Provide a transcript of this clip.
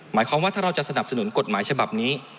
หมายความว่าถ้าเราจะสนับสนุนกฎหมายฉบับนี้